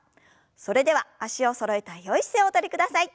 それでは脚をそろえたよい姿勢をおとりください。